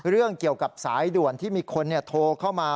เรื่องเกี่ยวกับสายด่วนที่มีคนโทรเข้ามา